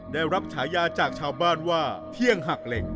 ได้รับฉายาจากชาวบ้านว่าเที่ยงหักเหล็ง